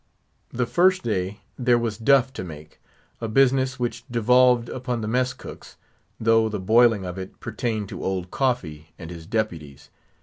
The first day there was "duff" to make—a business which devolved upon the mess cooks, though the boiling of it pertained to Old Coffee and his deputies.